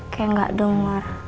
kayak gak denger